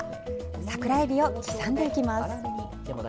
桜エビを刻んでいきます。